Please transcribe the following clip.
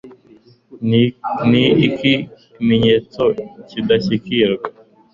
ni ikimenyetso cy'indashyikirwa